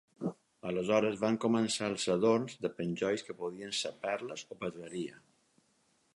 Aleshores van començar els adorns de penjolls que podien ser perles o pedreria.